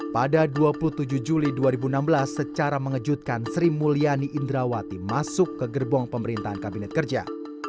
pada dua puluh tujuh juli dua ribu enam belas secara mengejutkan sri mulyani indrawati masuk ke gerbong pemerintahan kabinet kerja